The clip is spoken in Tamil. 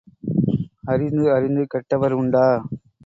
அறிந்து அறிந்து கெட்டவர் உண்டா?